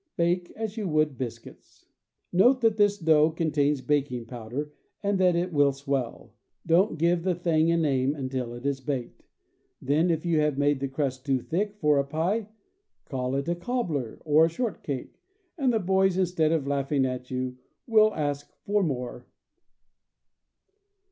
Bake as you would biscuits. Note that this dough contains baking powder, and that it will swell. Don't give the thing a name until it is baked; then, if you have made the crust too thick for a pie, call it a cobbler or a shortcake, and the boys, instead of laughing at you, will ask for more.